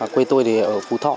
quê tôi thì ở phú thọ